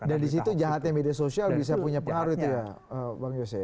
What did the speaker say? dan disitu jahatnya media sosial bisa punya pengaruh itu ya bang yose